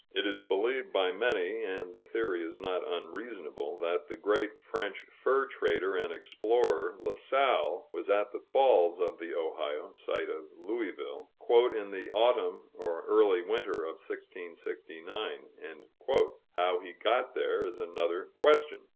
It is believed by many, and the theory is not unreasonable, that the great French fur trader and explorer, La Salle, was at the Falls of the Ohio (site of Louisville) "in the autumn or early winter of 1669." How he got there, is another question.